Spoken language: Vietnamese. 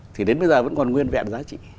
thì đến bây giờ vẫn còn nguyên vẹn giá trị